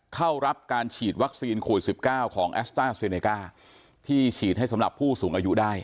เข้ารับการฉีดวัคซีนโควิด๑๙ของแอสต้าเซเนก้าที่ฉีดให้สำหรับผู้สูงอายุได้